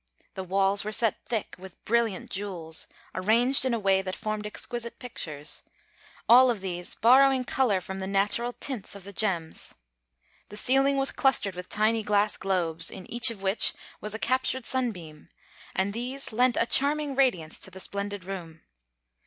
The walls were set thick with brilliant jewels, arranged in a way that formed exquisite pictures, all of these borrowing color from the natural tints of the gems. The ceiling was clustered with tiny glass globes, in each of which was a captured sunbeam; and these lent a charming radiance to the splendid room.